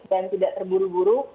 dan tidak terburu buru